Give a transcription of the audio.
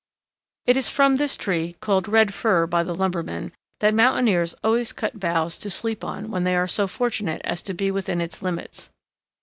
] It is from this tree, called Red Fir by the lumberman, that mountaineers always cut boughs to sleep on when they are so fortunate as to be within its limits.